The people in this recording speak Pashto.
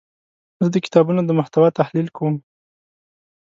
زه د کتابونو د محتوا تحلیل کوم.